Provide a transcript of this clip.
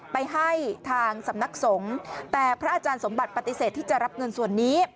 ไปให้ทางสำนักสงฆ์แต่พระอาจารย์สมบัติปฏิเสธที่จะรับเงินส่วนนี้